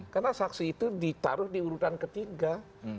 karena saksi itu ditaruh di urutan ketiga